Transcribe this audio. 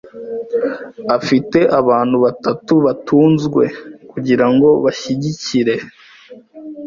Afite abantu batatu batunzwe kugirango bashyigikire .